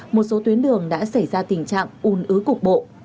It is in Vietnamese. một số tuyến đường đã xảy ra tình trạng un ứ cục bộ